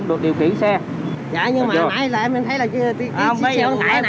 rồi qua đây